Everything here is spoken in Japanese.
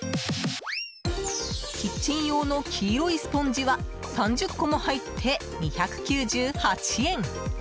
キッチン用の黄色いスポンジは３０個も入って２９８円。